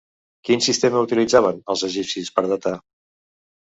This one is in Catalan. Quin sistema utilitzaven els egipcis per datar?